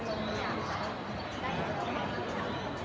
พี่แม่ที่เว้นได้รับความรู้สึกมากกว่า